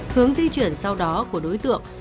hướng di chuyển sau đó của đối tượng